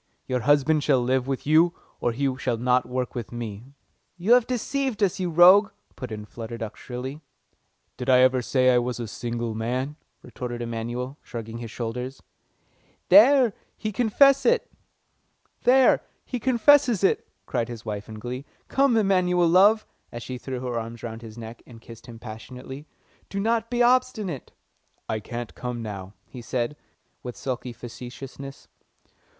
Your husband shall live with you, or he shall not work with me." "You have deceived us, you rogue!" put in Flutter Duck shrilly. "Did I ever say I was a single man?" retorted Emanuel, shrugging his shoulders. "There! He confesses it!" cried his wife in glee. "Come, Emanuel, love," and she threw her arms round his neck, and kissed him passionately. "Do not be obstinate." "I can't come now," he said, with sulky facetiousness.